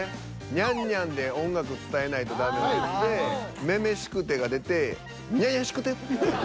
「ニャンニャン」で音楽を伝えないとダメなやつで「女々しくて」が出て「ニャニャしくて」って言う。